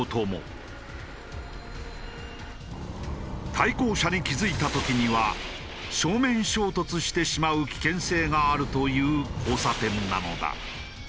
対向車に気付いた時には正面衝突してしまう危険性があるという交差点なのだ。